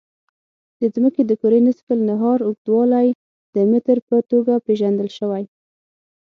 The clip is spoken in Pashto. د ځمکې د کرې نصف النهار اوږدوالی د متر په توګه پېژندل شوی.